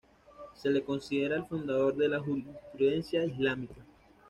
Se lo considera el fundador de la jurisprudencia islámica.